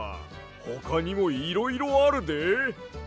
ほかにもいろいろあるで。